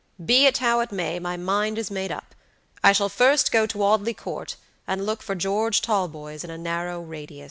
Be it how it may, my mind is made up. I shall first go to Audley Court, and look for George Talboys in a narrow radius."